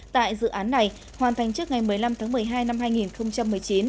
tại dự án này hoàn thành trước ngày một mươi năm tháng một mươi hai năm hai nghìn một mươi chín